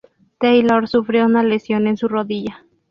Taylor sufrió una lesión en su rodilla.